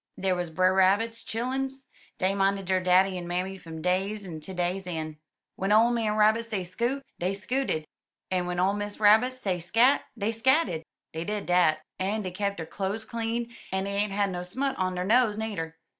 Dar wuz Brer Rabbit's chil luns; dey minded der daddy en mammy fum day's een' ter day's een\ Wen ole man Rabbit say 'scoot,* dey scooted, en w'en ole Miss Rabbit say 'scat,' dey scatted. Dey did dat. En dey kep der cloze clean, en dey ain't had no smut on der nose nudder."